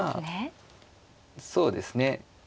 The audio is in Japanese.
まあそうですね。